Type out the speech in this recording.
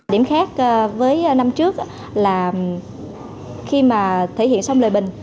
điểm khác với năm trước là khi mà thể hiện xong lời bình